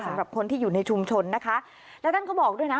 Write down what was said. สำหรับคนที่อยู่ในชุมชนนะคะแล้วท่านก็บอกด้วยนะ